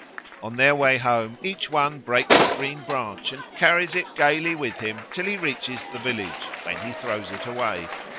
On their way home each one breaks a green branch and carries it gaily with him till he reaches the village, when he throws it away.